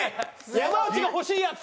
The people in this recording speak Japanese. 山内が欲しいやつ！